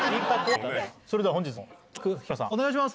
それでは本日の企画日村さんお願いします。